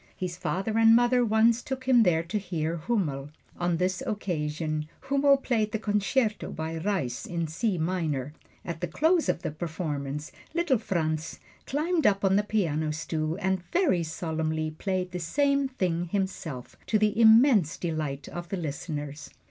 His father and mother once took him there to hear Hummel. On this occasion Hummel played the Concerto by Reis in C minor. At the close of the performance, little Franz climbed up on the piano stool and very solemnly played the same thing himself, to the immense delight of the listeners.